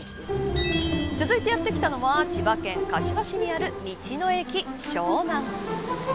続いてやってきたのは千葉県柏市にある道の駅しょうなん。